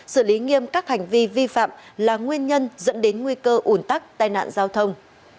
xử lý nghiêm các hành vi vi phạm là nguyên nhân dẫn đến nguy cơ ủn tắc tai nạn giao thông